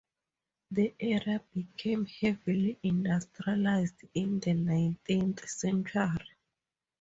The area became heavily industrialized in the nineteenth century.